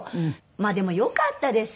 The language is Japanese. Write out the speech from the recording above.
まあでもよかったです。